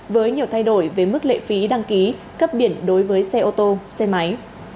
với nhiều thay đổi về mức lệ phí đăng ký cấp biển đối với xe ô tô xe máy